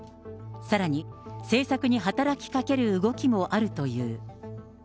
さらに、政策に働きかける動きもあるという。